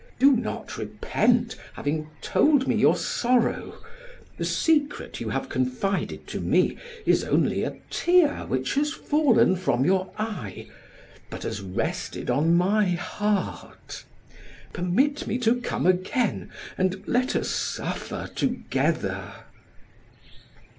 Do not repent having told me your sorrow. The secret you have confided to me is only a tear which has fallen from your eye, but has rested on my heart. Permit me to come again and let us suffer together."